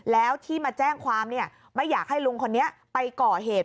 แล้วที่มาแจ้งความไม่อยากให้ลุงคนนี้ไปก่อเหตุ